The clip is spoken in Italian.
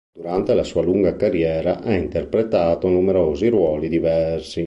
Durante la sua lunga carriera ha interpretato innumerevoli ruoli diversi.